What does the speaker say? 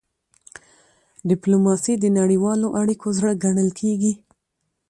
ډيپلوماسي د نړیوالو اړیکو زړه ګڼل کېږي.